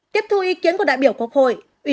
tiếp thu ý kiến của đại biểu quốc hội